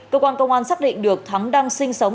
cơ quan công an xác định được thắng đang sinh sống